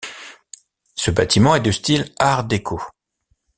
Ce bâtiment est de style art déco.